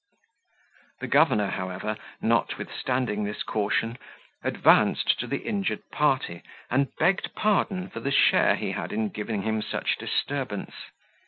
The governor, however, notwithstanding this caution, advanced to the injured party, and begged pardon for the share he had in giving him such disturbance.